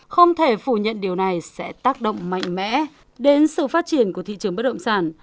không thể phủ nhận điều này sẽ tác động mạnh mẽ đến sự phát triển của thị trường bất động sản